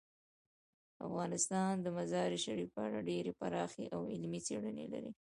افغانستان د مزارشریف په اړه ډیرې پراخې او علمي څېړنې لري.